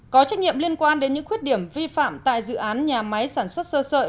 có trách nhiệm liên quan đến những khuyết điểm vi phạm tại dự án nhà máy sản xuất sơ sợi